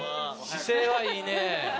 姿勢はいいね。